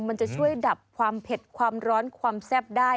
มันจะช่วยดับความเผ็ดความร้อนความแซ่บได้